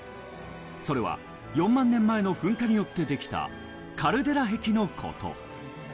それは４万年前の噴火によってできたカルデラ壁のこと。